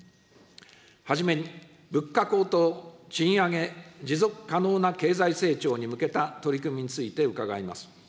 初めに物価高騰、賃上げ、持続可能な経済成長に向けた取り組みについて伺います。